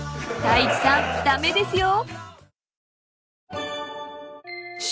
［太一さん駄目ですよ］